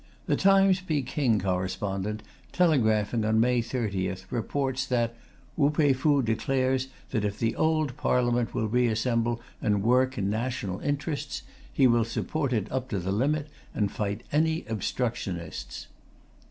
The Times Peking correspondent, telegraphing on May 30, reports that "Wu Pei Fu declares that if the old Parliament will reassemble and work in national interests he will support it up to the limit, and fight any obstructionists."